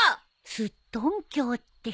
「すっとんきょう」って。